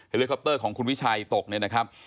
เลคอปเตอร์ของคุณวิชัยตกเนี่ยนะครับ